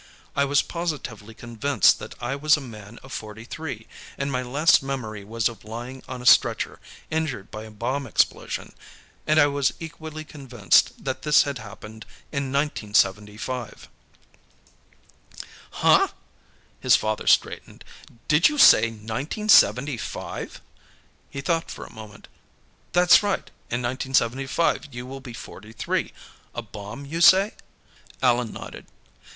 "I was positively convinced that I was a man of forty three, and my last memory was of lying on a stretcher, injured by a bomb explosion. And I was equally convinced that this had happened in 1975." "Huh?" His father straightened. "Did you say nineteen seventy five?" He thought for a moment. "That's right; in 1975, you will be forty three. A bomb, you say?" Allan nodded.